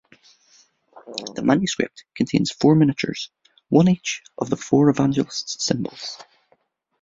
The manuscript contains four miniatures, one each of the four Evangelists' symbols.